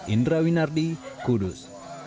indra winardi kudus